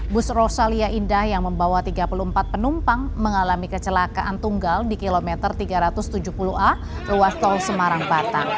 bus rosalia indah yang membawa tiga puluh empat penumpang mengalami kecelakaan tunggal di kilometer tiga ratus tujuh puluh a ruas tol semarang batang